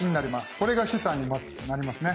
これが資産にまずなりますね。